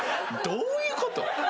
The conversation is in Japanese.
どういうこと？